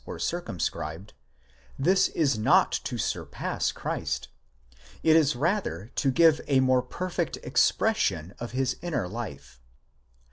were circumscribed ; this is not to surpass Christ, it is rather to give a more perfect expression of his inner life.